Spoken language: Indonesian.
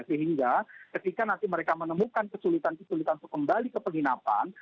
sehingga ketika nanti mereka menemukan kesulitan kesulitan untuk kembali ke penginapan